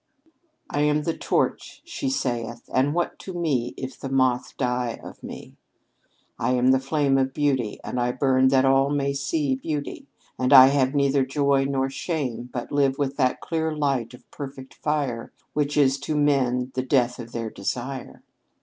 "'I am the torch,' she saith; 'and what to me If the moth die of me? I am the flame Of Beauty, and I burn that all may see Beauty, and I have neither joy nor shame, But live with that clear light of perfect fire Which is to men the death of their desire.